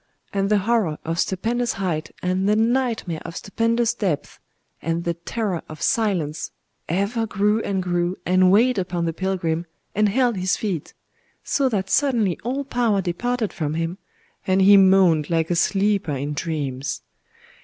And the horror of stupendous height, and the nightmare of stupendous depth, and the terror of silence, ever grew and grew, and weighed upon the pilgrim, and held his feet,—so that suddenly all power departed from him, and he moaned like a sleeper in dreams.